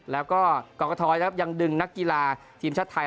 แล้วก็ก่อนกระท้อยยังดึงนักกีฬาทีมชาติไทย